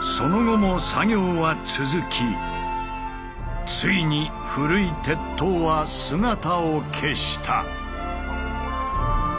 その後も作業は続きついに古い鉄塔は姿を消した。